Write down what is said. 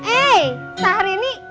eh pak harini